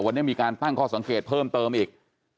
วันนี้มีการตั้งข้อสังเกตเพิ่มเติมอีก